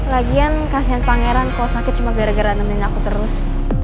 lagian kasihan pangeran kalau sakit cuma gara gara nemenin aku terus